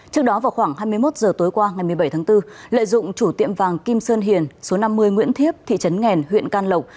trước đó vào khoảng hai mươi một h tối qua ngày một mươi bảy tháng bốn lợi dụng chủ tiệm vàng kim sơn hiền số năm mươi nguyễn thiếp thị trấn nghèn huyện can lộc